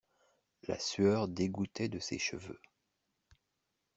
La sueur dégouttait de ses cheveux.